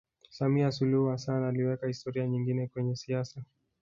samia suluhu hassan aliweka historia nyingine kwenye siasa